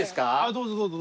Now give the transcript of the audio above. どうぞどうぞ。